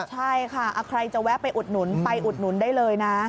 ใช่ค่ะใครจะแวะไปอุดหนุนไปอุดหนุนได้เลยนะ